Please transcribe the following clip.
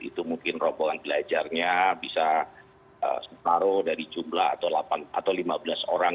itu mungkin rombongan belajarnya bisa menaruh dari jumlah atau lima belas orang